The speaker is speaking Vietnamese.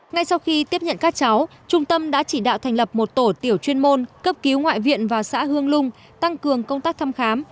ngay sau khi tiếp nhận các cháu trung tâm đã chỉ đạo thành lập một tổ tiểu chuyên môn cấp cứu ngoại viện và xã hương lung tăng cường công tác thăm khám